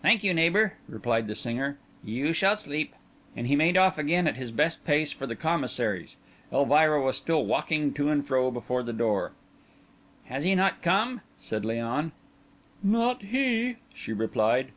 "Thank you, neighbour," replied the singer. "You shall sleep." And he made off again at his best pace for the Commissary's. Elvira was still walking to and fro before the door. "He has not come?" asked Léon. "Not he," she replied.